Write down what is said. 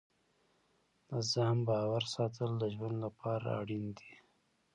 د ځان باور ساتل د ژوند لپاره اړین دي.